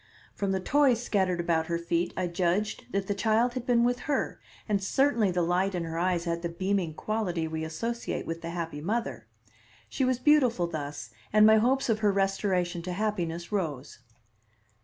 From the toys scattered about her feet I judged that the child had been with her, and certainly the light in her eyes had the beaming quality we associate with the happy mother. She was beautiful thus and my hopes of her restoration to happiness rose.